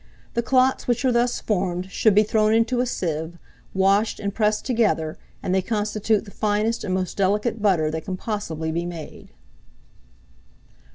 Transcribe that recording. The clots which are thus formed should be thrown into a sieve, washed and pressed together, and they constitute the finest and most delicate butter that can possibly be made.